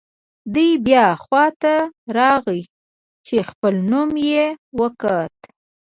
دی بیا خوا ته راغی چې خپل نوم یې وکوت.